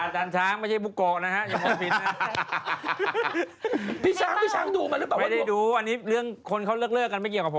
ฉันจำไม่ได้ว่าพี่แนะนำไปหรือเปล่าหมอดูคนนี้